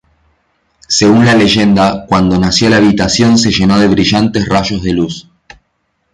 Según la leyenda, cuando nació la habitación se llenó de brillantes rayos de luz.